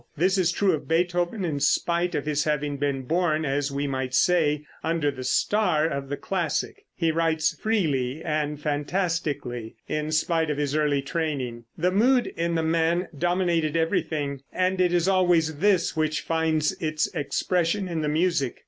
This is true of Beethoven, in spite of his having been born, as we might say, under the star of the classic. He writes freely and fantastically, in spite of his early training. The mood in the man dominated everything, and it is always this which finds its expression in the music.